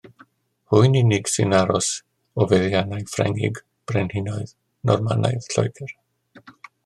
Hwy'n unig sy'n aros o feddiannau Ffrengig brenhinoedd Normanaidd Lloegr.